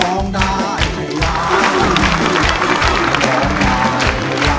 สวัสดีครับ